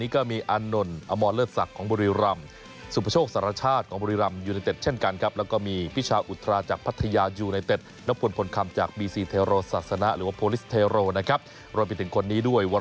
ก็มีของบุรีรัมอยู่ในเต็ดแล้วก็มีพิชาอุทราจักรภัทยายูไนเต็ดแล้วพลผลคำจากน้องพวกนี้ด้วย